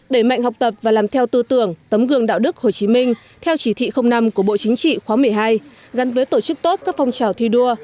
đẩy mạnh học tập và làm theo tư tưởng tấm gương đạo đức hồ chí minh theo chỉ thị năm của bộ chính trị khóa một mươi hai gắn với tổ chức tốt các phong trào thi đua